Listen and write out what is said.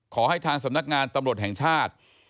ขอให้ทางสำนักงานตำรวจแห่งชาติ